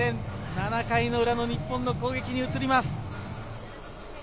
７回の裏の日本の攻撃に移ります。